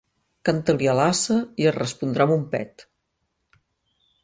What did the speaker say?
Canta-li a l'ase i et respondrà amb un pet.